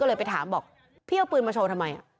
ก็เลยไปถามบอกพี่เอาปืนมาโชว์ทำไม